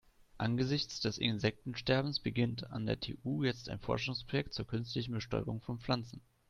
Angesichts des Insektensterbens beginnt an der TU jetzt ein Forschungsprojekt zur künstlichen Bestäubung von Pflanzen.